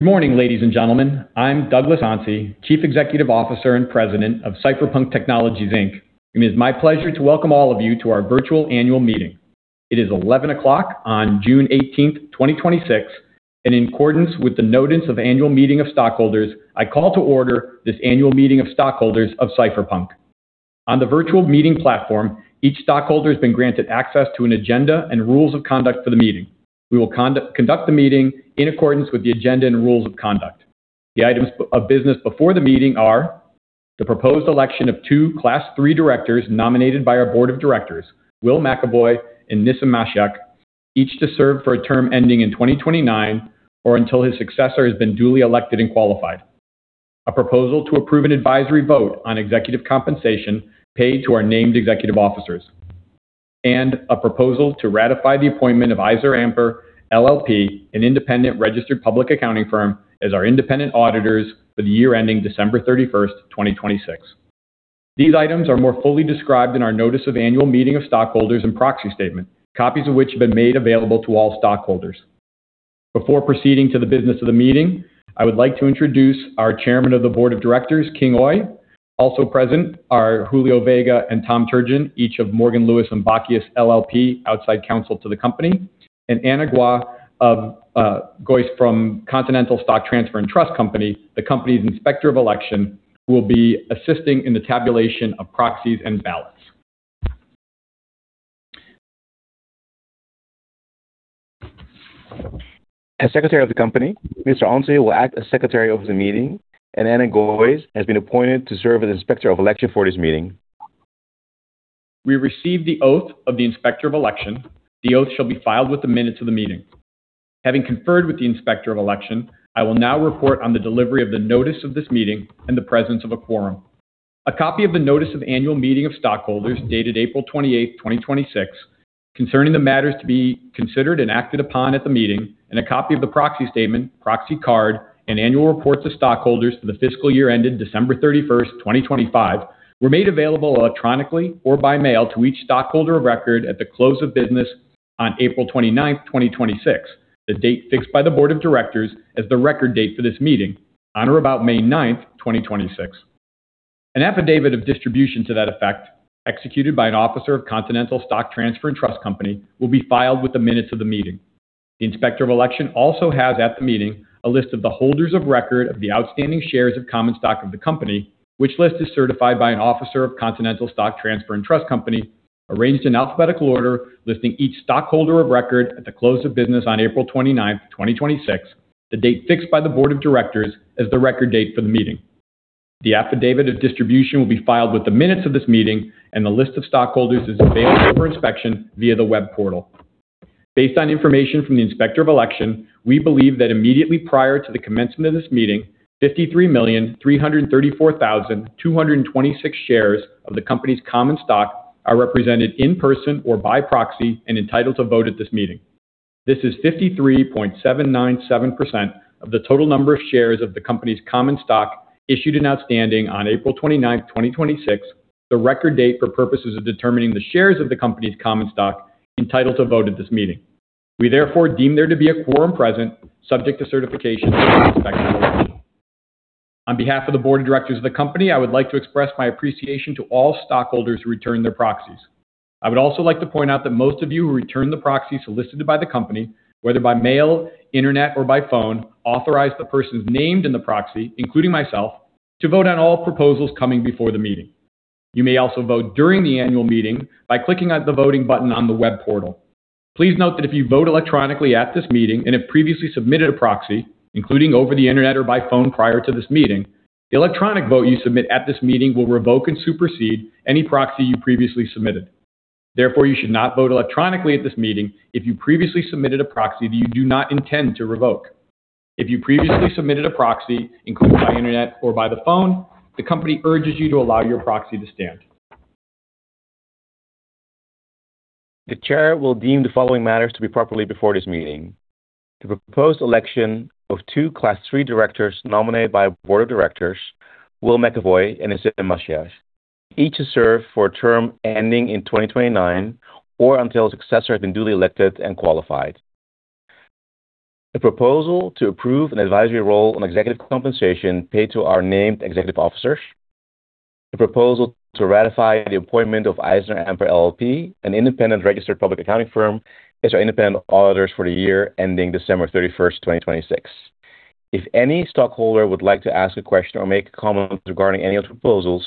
Good morning, ladies and gentlemen. I'm Douglas Onsi, Chief Executive Officer and President of Cypherpunk Technologies Inc. It is my pleasure to welcome all of you to our virtual annual meeting. It is 11:00 A.M. on June 18th, 2026. In accordance with the notice of annual meeting of stockholders, I call to order this annual meeting of stockholders of Cypherpunk. On the virtual meeting platform, each stockholder has been granted access to an agenda and rules of conduct for the meeting. We will conduct the meeting in accordance with the agenda and rules of conduct. The items of business before the meeting are the proposed election of two Class III directors nominated by our Board of Directors, Will McEvoy and Nissim Mashiach, each to serve for a term ending in 2029 or until his successor has been duly elected and qualified. A proposal to approve an advisory vote on executive compensation paid to our named executive officers. A proposal to ratify the appointment of EisnerAmper LLP, an independent registered public accounting firm, as our independent auditors for the year ending December 31st, 2026. These items are more fully described in our notice of annual meeting of stockholders and proxy statement, copies of which have been made available to all stockholders. Before proceeding to the business of the meeting, I would like to introduce our Chairman of the Board of Directors, Khing Oei. Also present are Julio Vega and Tom Turgeon, each of Morgan, Lewis & Bockius LLP, outside counsel to the company, and Ana Gois from Continental Stock Transfer & Trust Company, the company's Inspector of Election, who will be assisting in the tabulation of proxies and ballots. As secretary of the company, Mr. Onsi will act as secretary of the meeting. Ana Gois has been appointed to serve as inspector of election for this meeting. We receive the oath of the inspector of election. The oath shall be filed with the minutes of the meeting. Having conferred with the inspector of election, I will now report on the delivery of the notice of this meeting and the presence of a quorum. A copy of the notice of annual meeting of stockholders dated April 28th, 2026, concerning the matters to be considered and acted upon at the meeting. A copy of the proxy statement, proxy card, and annual reports to stockholders for the fiscal year ended December 31st, 2025, were made available electronically or by mail to each stockholder of record at the close of business on April 29th, 2026, the date fixed by the Board of Directors as the record date for this meeting, on or about May 9th, 2026. An affidavit of distribution to that effect, executed by an officer of Continental Stock Transfer & Trust Company, will be filed with the minutes of the meeting. The inspector of election also has at the meeting a list of the holders of record of the outstanding shares of common stock of the company, which list is certified by an officer of Continental Stock Transfer & Trust Company, arranged in alphabetical order, listing each stockholder of record at the close of business on April 29th, 2026, the date fixed by the board of directors as the record date for the meeting. The affidavit of distribution will be filed with the minutes of this meeting, and the list of stockholders is available for inspection via the web portal. Based on information from the inspector of election, we believe that immediately prior to the commencement of this meeting, 53,334,226 shares of the company's common stock are represented in person or by proxy and entitled to vote at this meeting. This is 53.797% of the total number of shares of the company's common stock issued and outstanding on April 29th, 2026, the record date for purposes of determining the shares of the company's common stock entitled to vote at this meeting. We therefore deem there to be a quorum present, subject to certification by the inspector of election. On behalf of the board of directors of the company, I would like to express my appreciation to all stockholders who returned their proxies. I would also like to point out that most of you who returned the proxy solicited by the company, whether by mail, internet, or by phone, authorized the persons named in the proxy, including myself, to vote on all proposals coming before the meeting. You may also vote during the annual meeting by clicking on the voting button on the web portal. Please note that if you vote electronically at this meeting and have previously submitted a proxy, including over the internet or by phone prior to this meeting, the electronic vote you submit at this meeting will revoke and supersede any proxy you previously submitted. Therefore, you should not vote electronically at this meeting if you previously submitted a proxy that you do not intend to revoke. If you previously submitted a proxy, including by internet or by the phone, the company urges you to allow your proxy to stand. The chair will deem the following matters to be properly before this meeting. The proposed election of two Class III directors nominated by a board of directors, Will McEvoy and Nissim Mashiach, each to serve for a term ending in 2029 or until a successor has been duly elected and qualified. The proposal to approve an advisory role on executive compensation paid to our named executive officers. The proposal to ratify the appointment of EisnerAmper LLP, an independent registered public accounting firm, as our independent auditors for the year ending December 31st, 2026. If any stockholder would like to ask a question or make a comment regarding any of the proposals,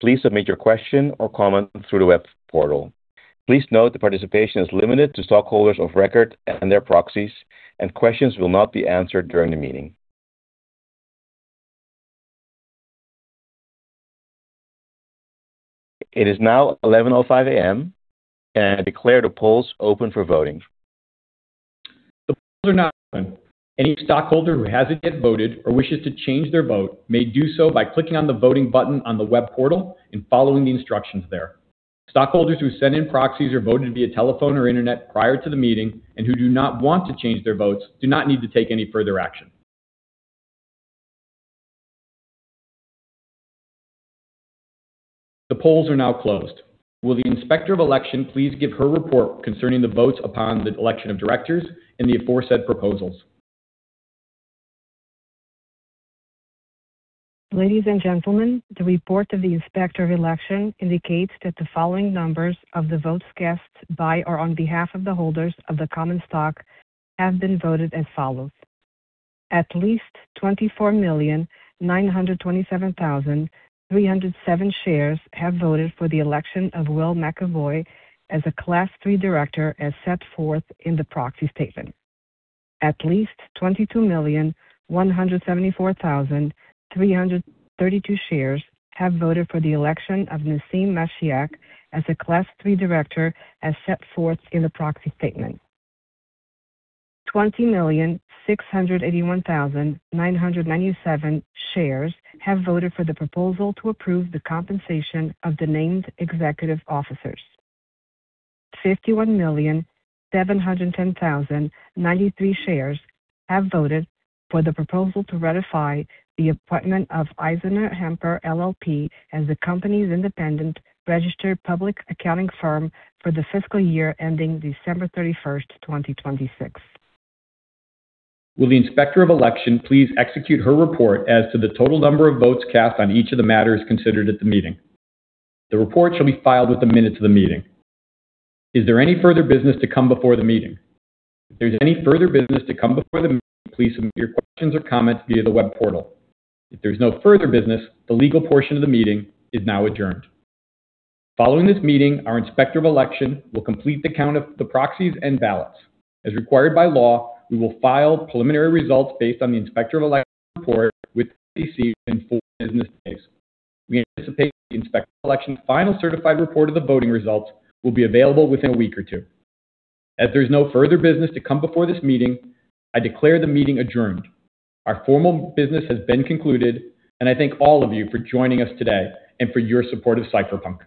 please submit your question or comment through the web portal. Please note that participation is limited to stockholders of record and their proxies, and questions will not be answered during the meeting. It is now 11:05 A.M., I declare the polls open for voting. The polls are now open. Any stockholder who hasn't yet voted or wishes to change their vote may do so by clicking on the voting button on the web portal and following the instructions there. Stockholders who sent in proxies or voted via telephone or internet prior to the meeting and who do not want to change their votes do not need to take any further action. The polls are now closed. Will the Inspector of Election please give her report concerning the votes upon the election of directors and the aforesaid proposals? Ladies and gentlemen, the report of the Inspector of Election indicates that the following numbers of the votes cast by or on behalf of the holders of the common stock have been voted as follows. At least 24,927,307 shares have voted for the election of Will McEvoy as a Class III director as set forth in the proxy statement. At least 22,174,332 shares have voted for the election of Nissim Mashiach as a Class III director as set forth in the proxy statement. 20,681,997 shares have voted for the proposal to approve the compensation of the named executive officers. 51,710,093 shares have voted for the proposal to ratify the appointment of EisnerAmper LLP as the company's independent registered public accounting firm for the fiscal year ending December 31st, 2026. Will the Inspector of Election please execute her report as to the total number of votes cast on each of the matters considered at the meeting? The report shall be filed with the minutes of the meeting. Is there any further business to come before the meeting? If there's any further business to come before the meeting, please submit your questions or comments via the web portal. If there's no further business, the legal portion of the meeting is now adjourned. Following this meeting, our Inspector of Election will complete the count of the proxies and ballots. As required by law, we will file preliminary results based on the Inspector of Election's report with the SEC within four business days. We anticipate the Inspector of Election's final certified report of the voting results will be available within a week or two. As there's no further business to come before this meeting, I declare the meeting adjourned. Our formal business has been concluded, and I thank all of you for joining us today and for your support of Cypherpunk.